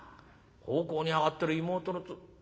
奉公に上がってる妹のつ。